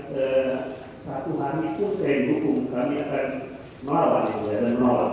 dan satu hari itu saya dihukum kami akan melawan dan menolak